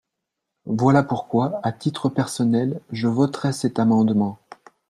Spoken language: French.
Voilà pourquoi, à titre personnel, je voterai cet amendement.